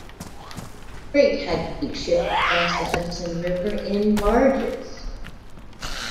Freight had to be shipped across the Hudson River in barges.